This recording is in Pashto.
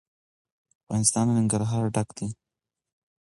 افغانستان له ننګرهار ډک دی.